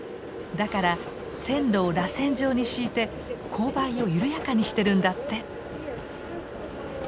だから線路をらせん状に敷いて勾配を緩やかにしてるんだって。